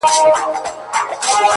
چي دي شراب’ له خپل نعمته ناروا بلله’